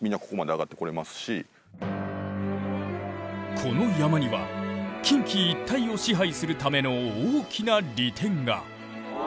この山には近畿一帯を支配するための大きな利点が。